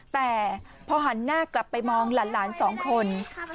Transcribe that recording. แต่พอหันหน้ากลับไปมองหลานสองคน